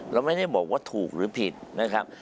เราไม่ได้บอกว่าถูกหรือผิดนะครับ